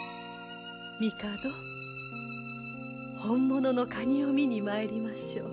帝本物のカニを見に参りましょう。